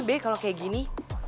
be kalau kayak gini